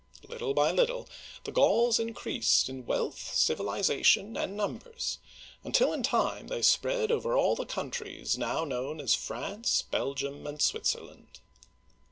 Little by little the Gauls increased in wealth, civilization, and numbers, until in time they spread all over the countries now known as France, Belgium, and Switzerland.